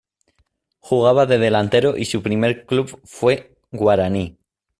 Jugaba de delantero y su primer club fue Guaraní.